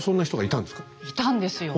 いたんですよ。